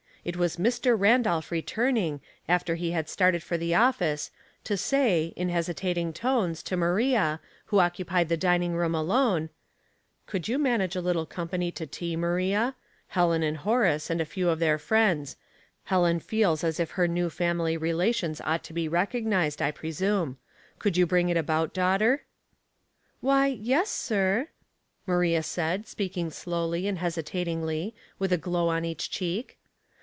It was Mr. Randolph re turning, after he had started for the office, to say, in hesitating tones, to Maria, who occupied the dining room alone, —" Could you manage a little company to tea, Maria ? Helen and Horace, and a few of their friends. Helen feels as if her new family re lations ought to be recognized, I presume. Could you bring it about, daughter? "'' Why, yes, sir," Maria said, speaking slowly and hesitatingly, with a glow on each cheek.